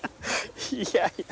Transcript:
いやいや。